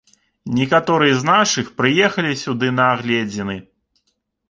Некаторыя з нашых прыехалі сюды на агледзіны.